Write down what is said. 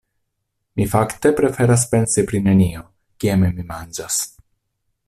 Mi fakte preferas pensi pri nenio, kiam mi manĝas.